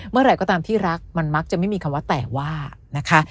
เมื่อไหร่ก็ตามที่รักมันมักจะไม่มีคำว่าแต่ว่านะคะ